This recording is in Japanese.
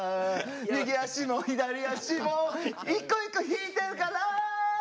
「右足も左足も一個一個引いてるから！」